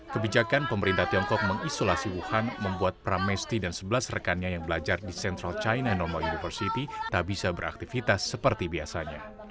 kebijakan pemerintah tiongkok mengisolasi wuhan membuat pramesti dan sebelas rekannya yang belajar di central china normal university tak bisa beraktivitas seperti biasanya